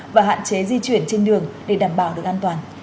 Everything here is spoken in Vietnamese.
và hạn chế di chuyển trên đường để đảm bảo được an toàn